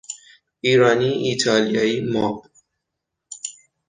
ایرانی ایتالیایی ماب